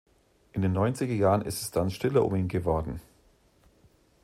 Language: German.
In den Neunziger Jahren ist es dann stiller um ihn geworden.